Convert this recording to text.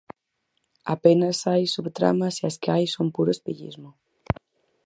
Apenas hai subtramas e as que hai son puro espellismo.